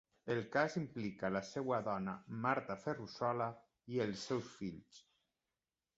El cas implica la seva dona, Marta Ferrussola i els seus fills.